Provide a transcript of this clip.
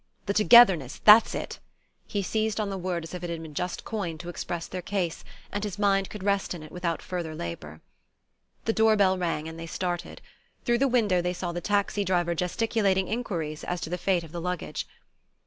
"The togetherness that's it!" He seized on the word as if it had just been coined to express their case, and his mind could rest in it without farther labour. The door bell rang, and they started. Through the window they saw the taxi driver gesticulating enquiries as to the fate of the luggage.